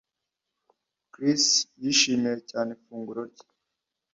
Chris yishimiye cyane ifunguro rye